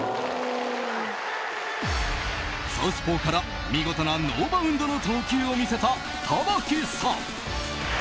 サウスポーから見事なノーバウンドの投球を見せた玉木さん。